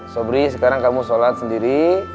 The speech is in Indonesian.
sobri sekarang kamu sholat sendiri